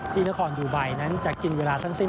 ที่นครดูไบนั้นจะกินเวลาทั้งสิ้น